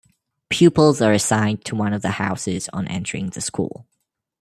Pupils are assigned to one of the Houses on entering the school.